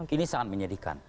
ini sangat menyedihkan